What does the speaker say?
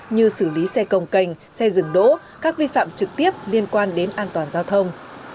như xử lý xe công cành xe dừng đỗ các vi phạm trực tiếp liên quan đến an toàn giao thông